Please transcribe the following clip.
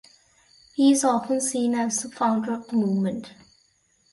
He is often seen as the founder of the movement.